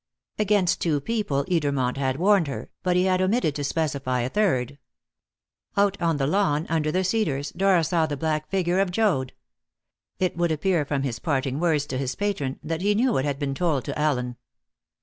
Against two people Edermont had warned her, but he had omitted to specify a third. Out on the lawn, under the cedars, Dora saw the black figure of Joad. It would appear from his parting words to his patron that he knew what had been told to Allen.